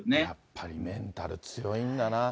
やっぱりメンタル強いんだな。